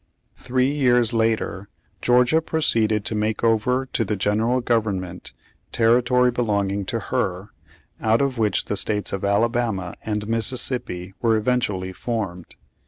Three years later Georgia proceeded to make over to the General Government territory belong ing to her, out of which the states of Alabama and Mississippi were eventually formed.